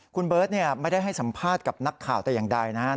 คุณเบิร์ตไม่ได้ให้สัมภาษณ์กับนักข่าวแต่อย่างใดนะครับ